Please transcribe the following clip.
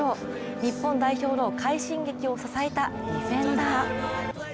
日本代表の快進撃を支えたディフェンダー。